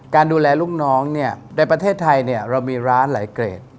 การดูแลลูกน้องเนี่ยในประเทศไทยเรามีร้านหลายเกรด